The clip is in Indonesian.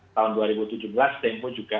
tahun dua ribu tujuh belas tempo juga